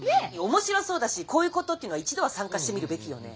面白そうだしこういうことっていうのは一度は参加してみるべきよね。